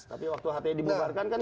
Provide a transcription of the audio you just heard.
tapi waktu hti dibubarkan kan